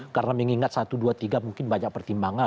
karena mengingat satu dua tiga mungkin banyak pertimbangan